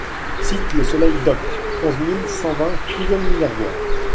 Cite Le Soleil d'Oc, onze mille cent vingt Pouzols-Minervois